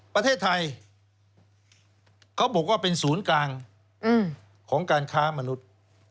ประเทศไทยเขาบอกว่าเป็นศูนย์กลางของการค้ามนุษย์